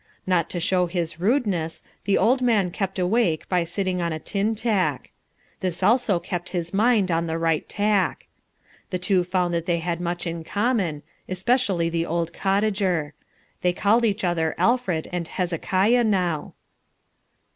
Not to show his rudeness, the old man kept awake by sitting on a tin tack. This also kept his mind on the right tack. The two found that they had much in common, especially the old cottager. They called each other "Alfred" and "Hezekiah" now.